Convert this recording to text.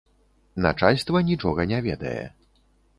Начальства нічога не ведае.